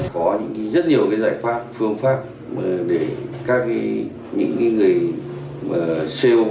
có rất nhiều giải pháp phương pháp để các những người sale